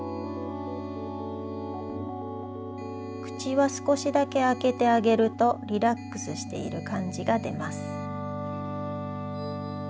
くちはすこしだけあけてあげるとリラックスしているかんじがでます。